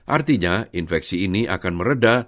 artinya infeksi ini akan meredah